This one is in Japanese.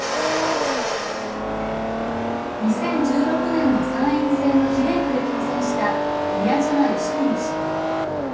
２０１６年の参院選の比例区で当選した宮島喜文氏。